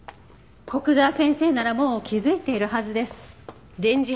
古久沢先生ならもう気づいているはずです。